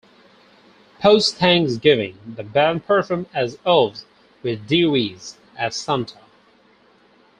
Post-Thanksgiving, the band performed as elves with Dewees as Santa.